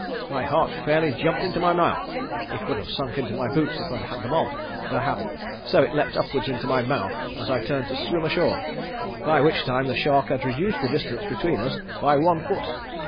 My heart fairly jumped into my mouth. It would have sunk into my boots if I had had them on, but I hadn't, so it leaped upward into my mouth as I turned to swim ashore, by which time the shark had reduced the distance between us by one foot.